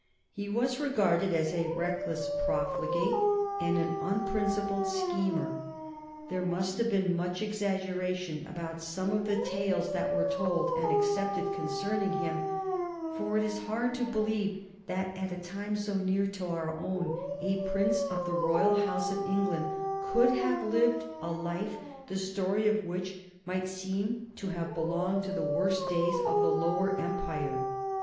He was regarded as a reckless profligate and an unprincipled schemer. There must have been much exaggeration about some of the tales that were told and accepted concerning him, for it is hard to believe that at a time so near to our own a prince of the Royal House of England could have lived a life the story of which might seem to have belonged to the worst days of the Lower Empire.